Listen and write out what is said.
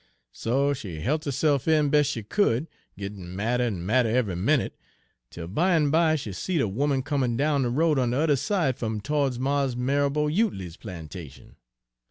So she helt herse'f in de bes' she could, gittin' madder en madder eve'y minute, 'tel bimeby Page 218 she seed a 'oman comin' down de road on de udder side fum to'ds Mars' Marrabo Utley's plantation.